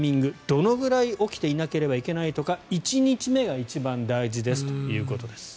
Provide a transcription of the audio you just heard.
どのくらい起きていなければいけないとか１日目が一番大事ですということです。